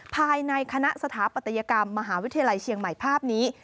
ภายในคณะสถาปัตยกรรมมหาวิทยาลัยเชียงใหม่ภาพนี้